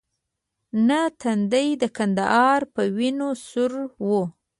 نه تندی د کندهار په وینو سور وو.